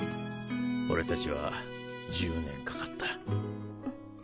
俺たちは１０年かかった。